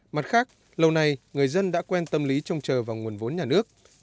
mặt khác lâu nay người dân đã quen tâm lý trông chờ vào nguồn vốn nhà nước